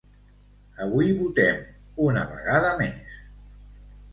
Avui votem, una vegada més.